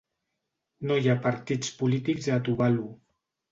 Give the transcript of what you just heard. No hi ha partits polítics a Tuvalu.